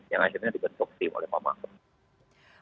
yang akhirnya dibentuk tim oleh pak mahfud